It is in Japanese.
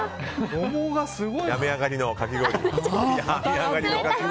病み上がりのかき氷。